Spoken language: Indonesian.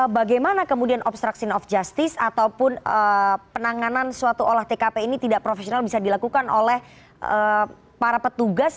bagaimana kemudian obstruction of justice ataupun penanganan suatu olah tkp ini tidak profesional bisa dilakukan oleh para petugas